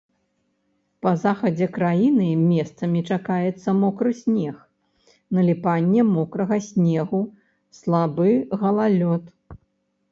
Па захадзе краіны месцамі чакаецца мокры снег, наліпанне мокрага снегу, слабы галалёд.